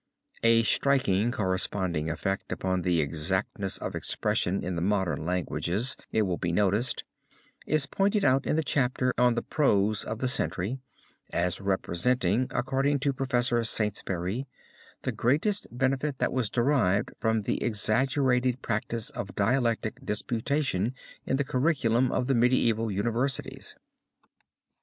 A striking corresponding effect upon the exactness of expression in the modern languages, it will be noticed, is pointed out in the chapter on the Prose of the Century as representing, according to Professor Saintsbury, the greatest benefit that was derived from the exaggerated practise of dialectic disputation in the curriculum of the medieval Universities.